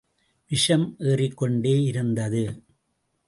விஷம் ஏறிக் கொண்டே இருந்தது.